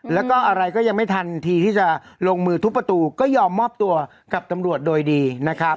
แล้วก็อะไรก็ยังไม่ทันทีที่จะลงมือทุบประตูก็ยอมมอบตัวกับตำรวจโดยดีนะครับ